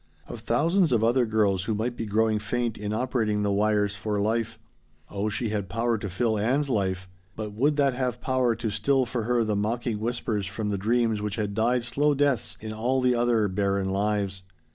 Of thousands of other girls who might be growing faint in operating the wires for life. Oh, she had power to fill Ann's life but would that have power to still for her the mocking whispers from the dreams which had died slow deaths in all the other barren lives?